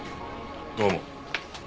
どうも。